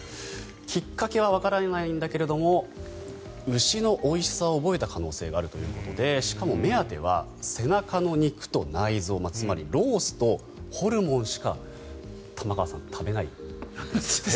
きっかけはわからないんだけども牛のおいしさを覚えた可能性があるということでしかも目当ては背中の肉と内臓つまりロースとホルモンしか玉川さん、食べないと。